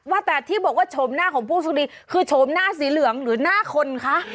ว่าแต่ที่บอกว่าโฉมหน้าของผู้โชคดีคือโฉมหน้าสีเหลืองหรือหน้าคนคะ